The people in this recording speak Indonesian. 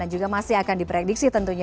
dan juga masih akan diprediksi tentunya